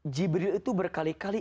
jibril itu berkali kali